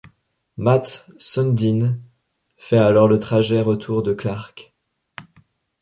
Mats Sundin fait alors le trajet retour de Clark.